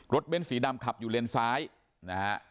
รถเบนสีดำขับอยู่เลนสายนะครับ